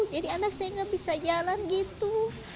jadi anak saya gak bisa jalan gitu